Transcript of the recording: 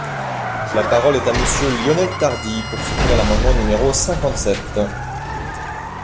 La parole est à Monsieur Lionel Tardy, pour soutenir l’amendement numéro cinquante-sept.